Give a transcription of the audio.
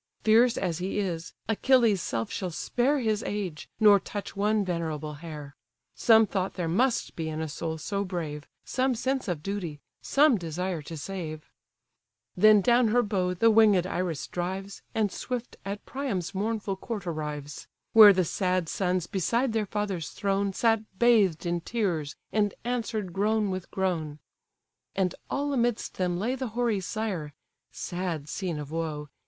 Fierce as he is, Achilles' self shall spare His age, nor touch one venerable hair: Some thought there must be in a soul so brave, Some sense of duty, some desire to save." IRIS ADVISES PRIAM TO OBTAIN THE BODY OF HECTOR Then down her bow the winged Iris drives, And swift at Priam's mournful court arrives: Where the sad sons beside their father's throne Sat bathed in tears, and answer'd groan with groan. And all amidst them lay the hoary sire, (Sad scene of woe!)